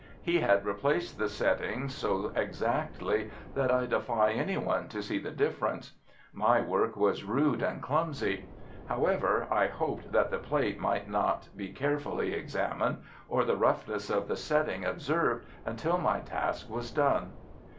He had replaced the setting so exactly that I defy any one to see the difference. My work was rude and clumsy. However, I hoped that the plate might not be carefully examined, or the roughness of the setting observed, until my task was done.